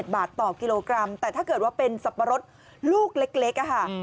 บาทต่อกิโลกรัมแต่ถ้าเกิดว่าเป็นสับปะรดลูกเล็กค่ะ